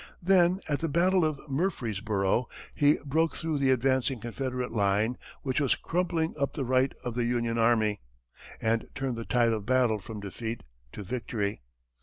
Then, at the battle of Murfreesboro, he broke through the advancing Confederate line which was crumpling up the right of the Union army, and turned the tide of battle from defeat to victory.